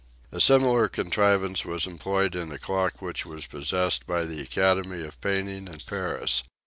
A similar contrivance was employed in a clock which was possessed by the Academy of Painting at Paris.